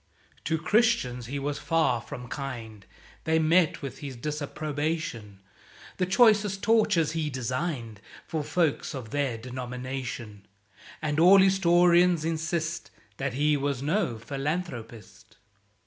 To Christians he was far from kind, They met with his disapprobation; The choicest tortures he designed For folks of their denomination. (And all Historians insist That he was no philanthropist.)